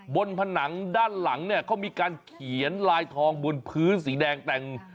ผนังด้านหลังเนี่ยเขามีการเขียนลายทองบนพื้นสีแดงแต่ง